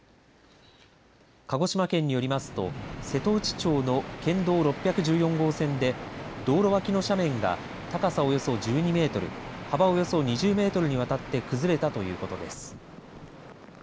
鹿児島県によりますと瀬戸内町の県道６１４号線で道路脇の斜面が高さおよそ１２メートル幅およそ２０メートルにわたって崩れたということです。